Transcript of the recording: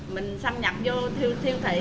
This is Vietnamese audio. mình xâm nhập vô thiêu thị